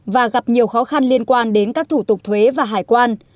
và gặp nhiều khó khăn liên quan đến các thủ tục thuế và hải quan